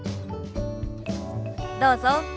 どうぞ。